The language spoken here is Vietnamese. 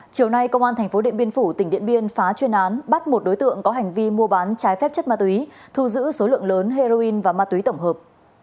chiều nay công an tp điện biên phủ tỉnh điện biên phá chuyên án bắt một đối tượng có hành vi mua bán trái phép chất ma túy thu giữ số lượng lớn heroin và ma túy tổng hợp